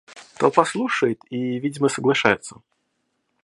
Толпа слушает и, видимо, соглашается.